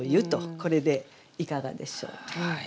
これでいかがでしょうか。